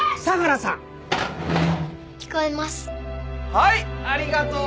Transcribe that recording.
はいありがとう！